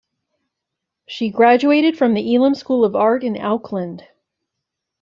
She graduated from the Elam School of Art in Auckland.